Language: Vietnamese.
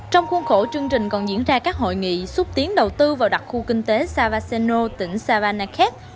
trong khuôn khổ chương trình còn diễn ra các hội nghị xúc tiến đầu tư vào đặc khu kinh tế savasino tỉnh savanakhet